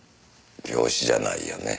病死じゃないよね。